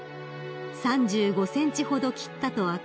［３５ｃｍほど切ったと明かし